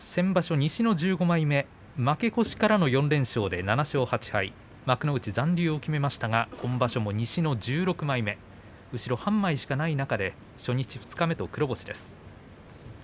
西の１５枚目負け越しからの４連勝で７勝８敗幕内残留を決めましたが今場所も西の１６枚目後ろ半枚しかない中で初日、二日目と黒星です。